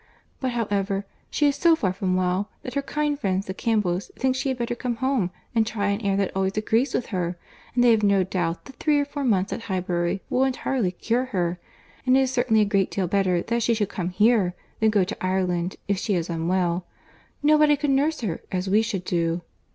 —But however, she is so far from well, that her kind friends the Campbells think she had better come home, and try an air that always agrees with her; and they have no doubt that three or four months at Highbury will entirely cure her—and it is certainly a great deal better that she should come here, than go to Ireland, if she is unwell. Nobody could nurse her, as we should do."